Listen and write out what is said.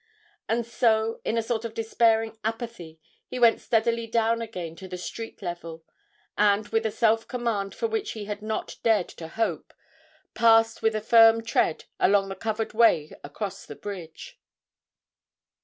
And so, in a sort of despairing apathy, he went steadily down again to the street level, and, with a self command for which he had not dared to hope, passed with a firm tread along the covered way across the bridge.